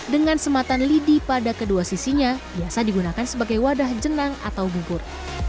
dengan sematan lidi pada kedua sisinya biasa digunakan sebagai wadah jenang atau bubur